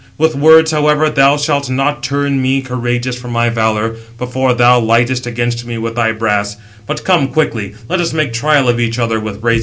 658 With words, however, thou shalt not turn me, courageous, from my valour, before thou lightest against me with thy brass; but come, quickly let us make trial of each other with brazen spears."